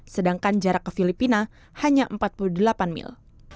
sedangkan jarak ke filipina hanya empat puluh delapan mil